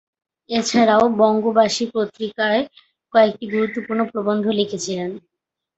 এছাড়াও 'বঙ্গবাসী' পত্রিকায় কয়েকটি গুরুত্বপূর্ণ প্রবন্ধ লিখেছিলেন।